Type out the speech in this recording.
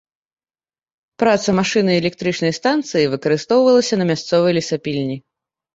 Праца машыны электрычнай станцыі выкарыстоўвалася на мясцовай лесапільні.